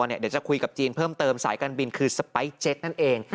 เดี๋ยวจะคุยกับจีนเพิ่มเติมสายการบินคือสไปร์เจ็ตนั่นเอง